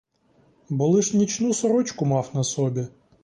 Бо лиш нічну сорочку мав на собі.